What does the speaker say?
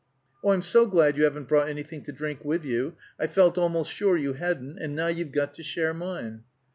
"Oh, I'm so glad you haven't brought anything to drink with you! I felt almost sure you hadn't, and now you've got to share mine."